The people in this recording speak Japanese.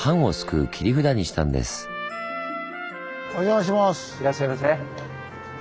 いらっしゃいませ。